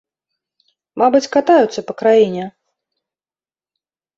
Мабыць, катаюцца па краіне.